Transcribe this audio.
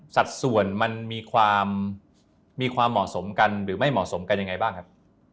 สัดส่วนมันมีความมีความเหมาะสมกันหรือไม่เหมาะสมกันยังไงบ้างครับ